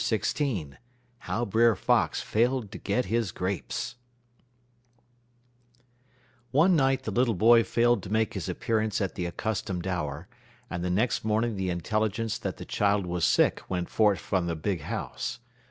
XVI HOW BRER FOX FAILED TO GET HIS GRAPES One night the little boy failed to make his appearance at the accustomed hour, and the next morning the intelligence that the child was sick went forth from the "big house."